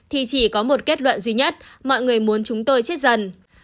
thì chỉ có một kết luận duy nhất mọi người muốn chúng tôi chết dần